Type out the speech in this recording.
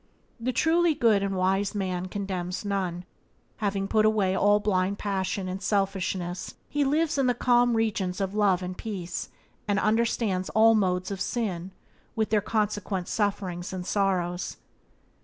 The truly good and wise man condemns none, having put away all blind passion and selfishness he lives in the calm regions of love and peace, and understands all modes of sin, with their consequent sufferings and sorrows.